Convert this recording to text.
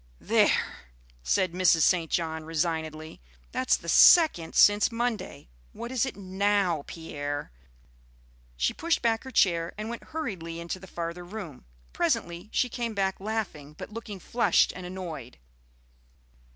"There!" said Mrs. St. John, resignedly; "that's the second since Monday! What is it now, Pierre?" She pushed back her chair and went hurriedly into the farther room. Presently she came back laughing, but looking flushed and annoyed.